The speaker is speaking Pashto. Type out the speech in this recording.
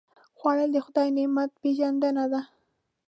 خوړل د خدای نعمت پېژندنه ده